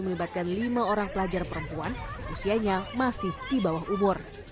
melibatkan lima orang pelajar perempuan usianya masih di bawah umur